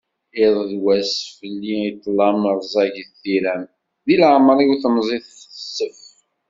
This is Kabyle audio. Iḍ d wass fell-i d ṭṭlam rzagit tiram, di leεmer-iw temẓi texsef.